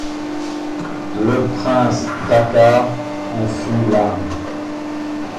Le prince Dakkar en fut l’âme.